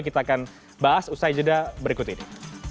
kita akan bahas usai jeda berikut ini